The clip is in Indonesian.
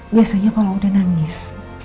biasanya kalau udah nangis